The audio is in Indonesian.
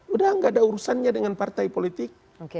udah gak ada urusannya dengan partai politik